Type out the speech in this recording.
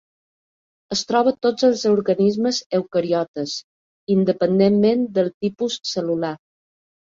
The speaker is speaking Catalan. Es troba a tots els organismes eucariotes, independentment del tipus cel·lular.